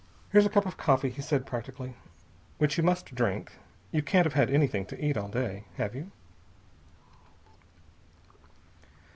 "Here's a cup of coffee," he said practically, "which you must drink. You can't have had anything to eat all day. Have you?"